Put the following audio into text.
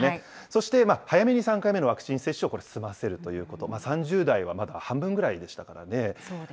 そして早めの３回目のワクチン接種を済ませるということ、３０代はまだ半分ぐらいでしたからね。